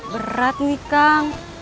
berat nih kang